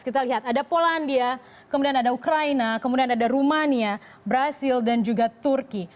kita lihat ada polandia kemudian ada ukraina kemudian ada rumania brazil dan juga turki